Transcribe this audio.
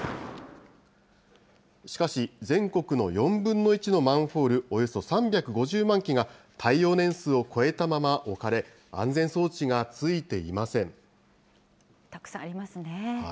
しかし、全国の４分の１のマンホール、およそ３５０万基が、耐用年数を超えたまま置かれ、安全装置がついていません。